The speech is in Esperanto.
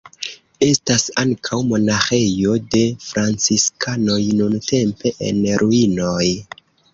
Estas ankaŭ monaĥejo de franciskanoj nuntempe en ruinoj.